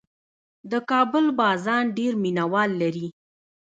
د کابل بازان ډېر مینه وال لري.